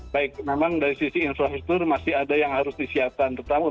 baik memang dari sisi infrastruktur masih ada yang harus disiapkan